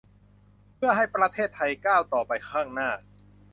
เพื่อให้ประเทศไทยก้าวต่อไปข้างหน้า